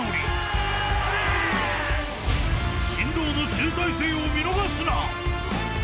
［神童の集大成を見逃すな！］